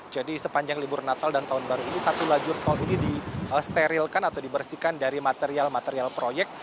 jadi sepanjang libur natal dan tahun baru ini satu lajur tol ini di sterilkan atau dibersihkan dari material material proyek